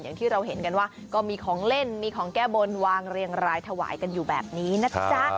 อย่างที่เราเห็นกันว่าก็มีของเล่นมีของแก้บนวางเรียงรายถวายกันอยู่แบบนี้นะจ๊ะ